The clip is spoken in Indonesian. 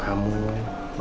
yang menolak kamu